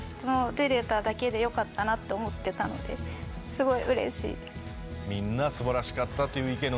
出れただけでよかったなって思ってたのですごいうれしいです。